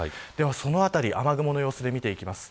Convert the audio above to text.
そのあたり雨雲の様子で見ていきます。